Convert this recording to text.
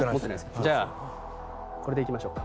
じゃあこれでいきましょうか。